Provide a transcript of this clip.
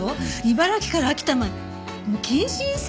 茨城から秋田まで。